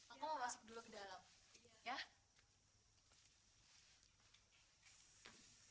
aku masuk dulu ke dalam